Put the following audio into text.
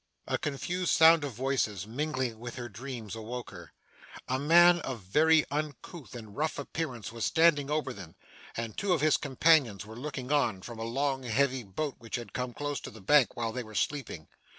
A confused sound of voices, mingling with her dreams, awoke her. A man of very uncouth and rough appearance was standing over them, and two of his companions were looking on, from a long heavy boat which had come close to the bank while they were sleeping.